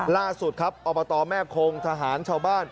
ล่าสุดครับอบตแม่คงทหารชาวบ้าน